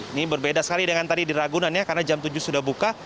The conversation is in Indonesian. ini berbeda sekali dengan tadi di ragunan ya karena jam tujuh sudah buka